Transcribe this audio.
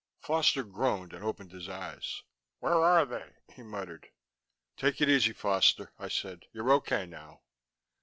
Foster groaned and opened his eyes. "Where are ... they?" he muttered. "Take it easy, Foster," I said. "You're OK now."